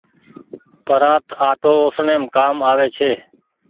پرانت آٽو اُسڻيم ڪآم آوي ڇي۔